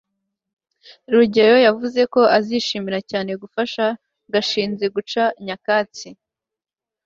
rugeyo yavuze ko azishimira cyane gufasha gashinzi guca nyakatsi